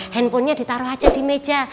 handphonenya ditaruh aja di meja